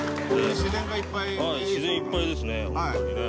自然いっぱいですね。